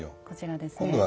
こちらですね。